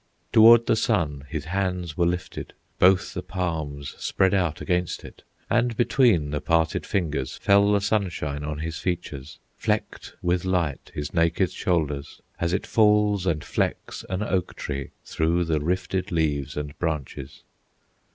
Toward the sun his hands were lifted, Both the palms spread out against it, And between the parted fingers Fell the sunshine on his features, Flecked with light his naked shoulders, As it falls and flecks an oak tree Through the rifted leaves and branches.